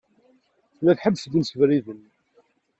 Tella tḥebbes-d imsebriden.